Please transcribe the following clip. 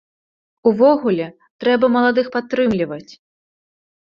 Увогуле, трэба маладых падтрымліваць.